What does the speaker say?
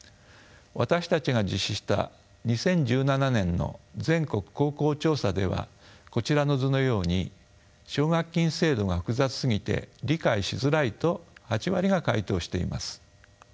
私たちが実施した２０１７年の全国高校調査ではこちらの図のように奨学金制度が複雑すぎて理解しづらいと８割が回答しています。